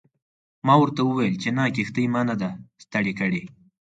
ما ورته وویل چې نه کښتۍ ما نه ده ستړې کړې.